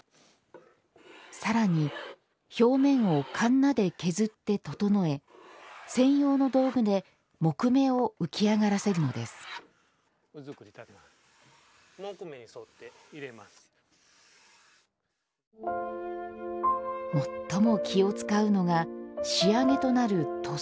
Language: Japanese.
さらに表面をかんなで削って整え専用の道具で木目を浮き上がらせるのです最も気を使うのが仕上げとなる塗装の作業です